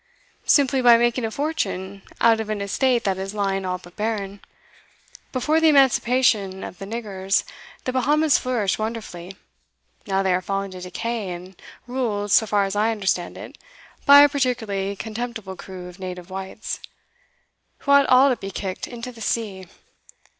'Simply by making a fortune out of an estate that is lying all but barren. Before the emancipation of the niggers, the Bahamas flourished wonderfully; now they are fallen to decay, and ruled, so far as I understand it, by a particularly contemptible crew of native whites, who ought all to be kicked into the sea.